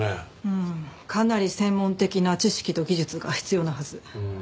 うんかなり専門的な知識と技術が必要なはず。